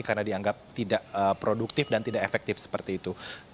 karena dianggap tidak produktif dan tidak efektif seperti itu